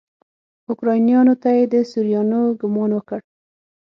اوکرانیانو ته یې د سوريانو ګمان وکړ.